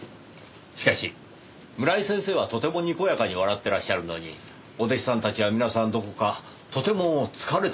しかし村井先生はとてもにこやかに笑ってらっしゃるのにお弟子さんたちは皆さんどこかとても疲れた顔をしてますね。